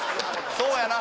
そうやな